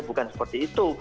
bukan seperti itu